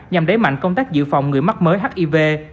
nhằm đẩy mạnh công tác dự phòng người mắc mới hiv